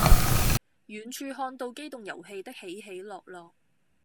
遠處看到機動遊戲的起起落落